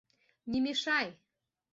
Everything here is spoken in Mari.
Ни мешай!